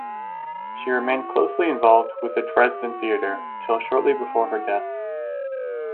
She remained closely involved with the Dresden theatre till shortly before her death.